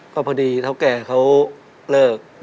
ก็พอดีเท่าแก่เขาเลิก